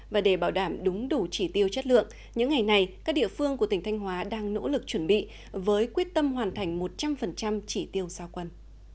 và để bảo đảm đúng đủ chỉ tiêu chất lượng những ngày này các địa phương của tỉnh thanh hóa đang nỗ lực chuẩn bị với quyết tâm hoàn thành một trăm linh chỉ tiêu giao quân